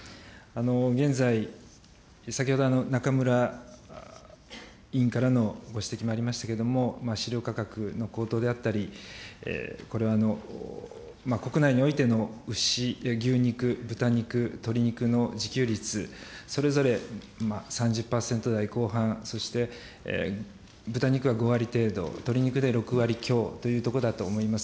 現在、先ほど中村委員からのご指摘もありましたけれども、飼料価格の高騰であったり、これは国内においての牛、牛肉、豚肉、鶏肉の自給率、それぞれ３０％台後半、そして豚肉は５割程度、鶏肉で６割強というところだと思います。